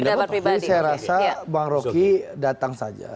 jadi saya rasa bang roky datang saja